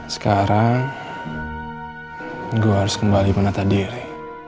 sekarang gue harus kembali menata diri